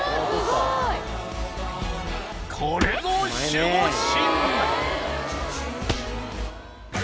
これぞ守護神！